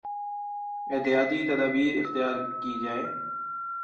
احتیاطی تدابیراختیار کی جائیں